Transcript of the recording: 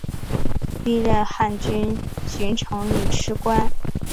历任汉军巡城理事官。